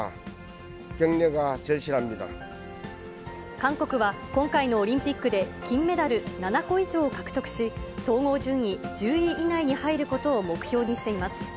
韓国は今回のオリンピックで、金メダル７個以上を獲得し、総合順位１０位以内に入ることを目標にしています。